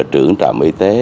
trưởng trạm y tế